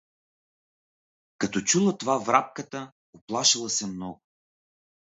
Като чула това врабката, уплашила се много.